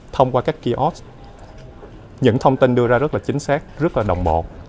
thông qua các kiosk những thông tin đưa ra rất là chính xác rất là đồng bộ